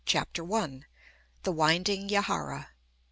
CHAPTER I. THE WINDING YAHARA.